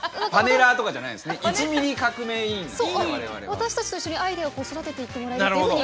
私たちと一緒にアイデアを育てていってもらえるというふうに。